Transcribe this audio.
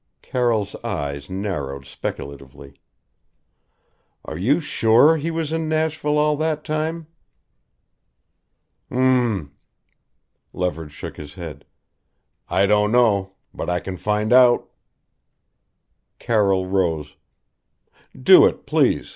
Carroll's eyes narrowed speculatively, "are you sure he was in Nashville all that time?" "Hm m!" Leverage shook his head. "I don't know but I can find out." Carroll rose. "Do it please.